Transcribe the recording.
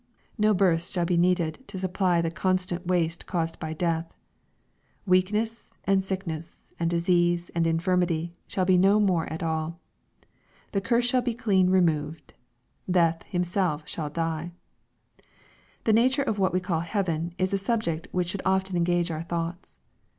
No births shall be needed, to supply the constant waste caused by death. Weak ness, and sickness, and disease, and infirmity, shall be no more at all. The curse shall be clean removed. Death himself shall die. The nature of what we call "heaven" is a subject which should often engage our thoughts.